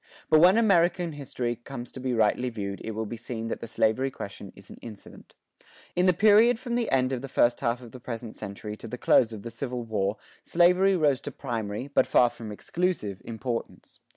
But when American history comes to be rightly viewed it will be seen that the slavery question is an incident. In the period from the end of the first half of the present century to the close of the Civil War slavery rose to primary, but far from exclusive, importance.